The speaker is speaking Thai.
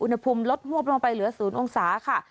อุณหภูมิลดหวบลงไปเหลือ๐องศาค่ะ